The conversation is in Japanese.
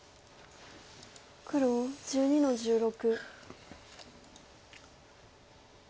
黒１２の十六。